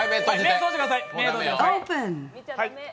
「オープン」。